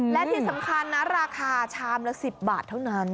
และที่สำคัญนะราคาชามละ๑๐บาทเท่านั้น